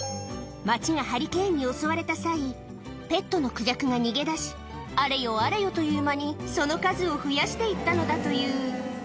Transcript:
街がハリケーンに襲われた際、ペットのクジャクが逃げ出し、あれよあれよという間に、その数を増やしていったのだという。